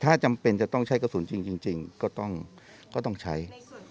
ถ้าจำเป็นจะต้องใช้กระสุนจริงก็ต้องใช้